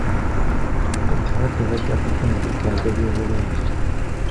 Abalwadde bajja kufuna obujjanjabi obulungi.